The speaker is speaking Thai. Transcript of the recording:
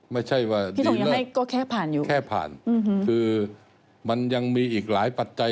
ไม่ใช่ว่าดีแล้วแค่ผ่านคือมันยังมีอีกหลายปัจจัย